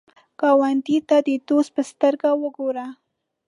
ګاونډي ته د دوست په سترګه وګوره